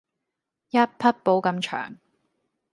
一匹布咁長